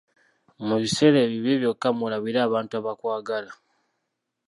Mu biseera ebibi byokka mw'olabira abantu abakwagala.